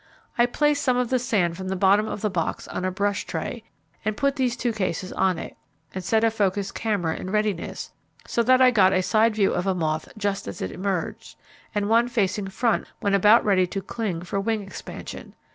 I placed some of the sand from the bottom of the box on a brush tray, and put these two cases on it, and set a focused camera in readiness, so that I got a side view of a moth just as it emerged, and one facing front when about ready to cling for wing expansion.